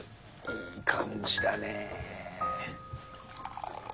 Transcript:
いい感じだね。